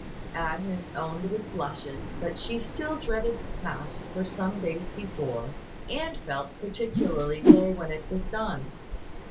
Agnes owned, with blushes, that she still dreaded the task for some days before, and felt particularly gay when it was done.